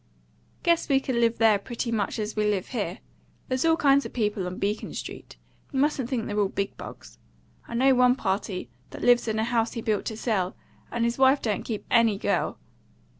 "Guess we could live there pretty much as we live here. There's all kinds of people on Beacon Street; you mustn't think they're all big bugs. I know one party that lives in a house he built to sell, and his wife don't keep any girl.